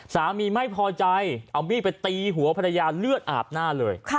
สามีไม่พอใจเอามีดไปตีหัวภรรยาเลือดอาบหน้าเลย